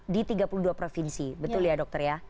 di tiga puluh dua provinsi betul ya dokter ya